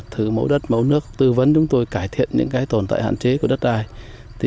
thử mẫu đất mẫu nước tư vấn chúng tôi cải thiện những tồn tại hạn chế của đất đai